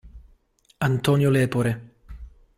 Antonio Lepore.